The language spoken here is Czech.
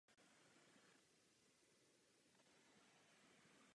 Edice Mistři slova je plná literárních pokladů.